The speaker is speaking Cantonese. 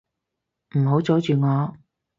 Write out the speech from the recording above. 唔好阻住我